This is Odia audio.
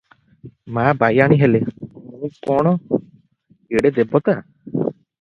"ମା, ବାୟାଣୀ ହେଲ, ମୁଁ କଣ ଏଡ଼େ ଦେବତା?